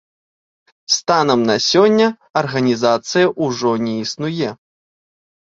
Станам на сёння арганізацыя ўжо не існуе.